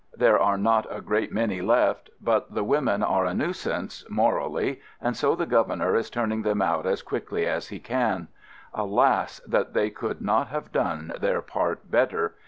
There are not a great many left, but the women are a nui sance — morally — and so the Governor is turning them out as quickly as he can. Alas, that they could not have done their part better